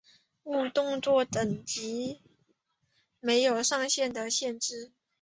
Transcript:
误动作等级没有上限的限制。